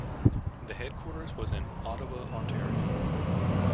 The headquarters was in Ottawa, Ontario.